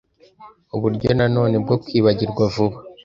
uburyo nanone bwo kwibagirwa vuba